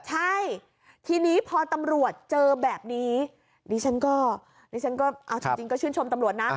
ใช่ทีนี้พอตำรวจเจอแบบนี้นี่ฉันก็ชื่นชมตำรวจนะ